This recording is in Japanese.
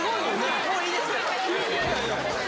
もういいです。